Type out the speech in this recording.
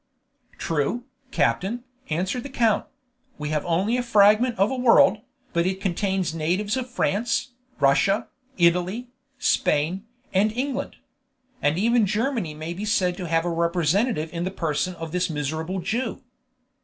"True, captain," answered the count; "we have only a fragment of a world, but it contains natives of France, Russia, Italy, Spain, and England. Even Germany may be said to have a representative in the person of this miserable Jew."